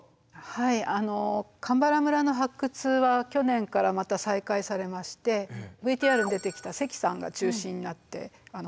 はい鎌原村の発掘は去年からまた再開されましてＶＴＲに出てきた関さんが中心になって掘られてます。